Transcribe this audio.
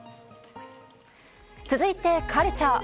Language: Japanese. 続いて、カルチャー。